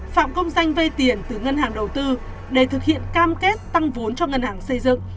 phạm công danh vây tiền từ ngân hàng đầu tư để thực hiện cam kết tăng vốn cho ngân hàng xây dựng